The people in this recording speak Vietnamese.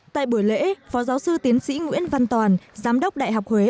tại buổi lễ phó giáo sư tiến sĩ nguyễn văn toàn giám đốc đại học huế